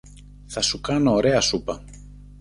Θα σου κάνω ωραία σούπα.